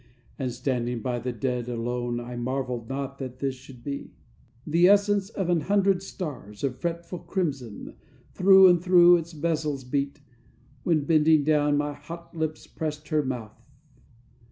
And standing by the dead alone I marveled not that this should be. The essence of an hundred stars, Of fretful crimson, through and through Its bezels beat, when, bending down My hot lips pressed her mouth.